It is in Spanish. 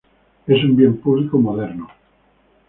es un bien público moderno